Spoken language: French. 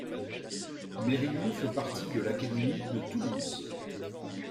Mérigon fait partie de l'académie de Toulouse.